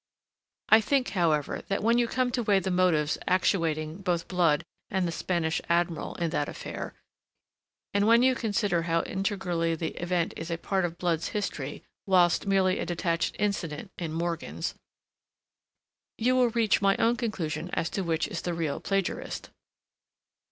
I think, however, that when you come to weigh the motives actuating both Blood and the Spanish Admiral, in that affair, and when you consider how integrally the event is a part of Blood's history whilst merely a detached incident in Morgan's you will reach my own conclusion as to which is the real plagiarist.